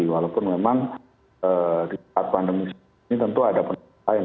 walaupun memang di saat pandemi ini tentu ada penelitian